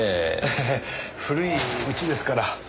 ハハ古い家ですから。